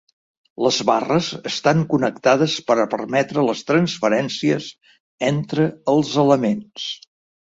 Les barres estan connectades per a permetre les transferències entre els elements.